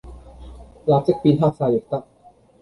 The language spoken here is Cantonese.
立即變黑晒亦得